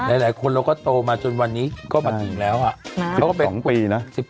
หลายคนเราก็โตมาจนวันนี้ก็มาถึงแล้วนะ